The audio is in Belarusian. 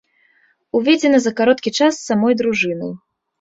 Узведзена за кароткі час самой дружынай.